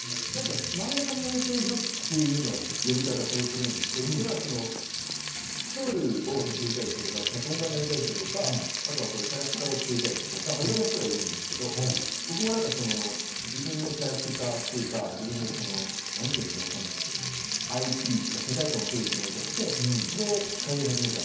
漫画家の養成所っていうふうな呼び方をされているんですけど一応、ストーリーを作りたい人とか脚本家になりたい人とかキャラクターを作りたい人とかいろんな人がいるんですけど僕も自分のキャラクターっていうか自分のＩＰというか世界観を作れる人になりたくて通い始めました。